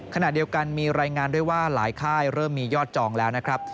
ขณะเดียวกันมีรายงานด้วยว่าหลายค่ายเริ่มมียอดจองแล้วนะครับ